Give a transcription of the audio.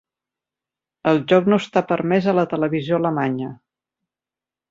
El joc no està permès a la televisió alemanya.